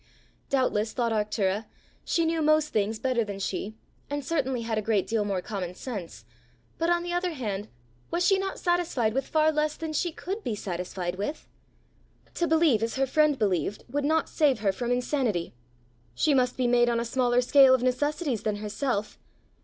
Doubtless, thought Arctura, she knew most things better than she, and certainly had a great deal more common sense; but, on the other hand, was she not satisfied with far less than she could be satisfied with? To believe as her friend believed would not save her from insanity! She must be made on a smaller scale of necessities than herself!